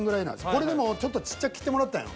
これでもちょっとちっちゃく切ってもらったんよ